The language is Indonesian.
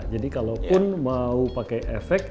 jadi kalau pun mau pakai efek